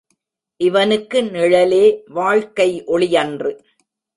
இவனுக்கு நிழலே வாழ்க்கை, ஒளியன்று!